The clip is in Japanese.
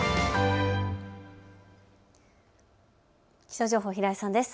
気象情報、平井さんです。